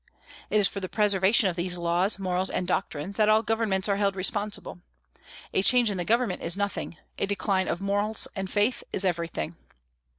It is for the preservation of these laws, morals, and doctrines that all governments are held responsible. A change in the government is nothing; a decline of morals and faith is everything.